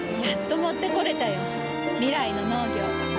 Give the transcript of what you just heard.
やっと持ってこれたよ。未来の農業。